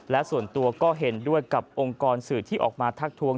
และส่วนตัวก็เห็นด้วยกับองค์กรสื่อที่ออกมาทักทวง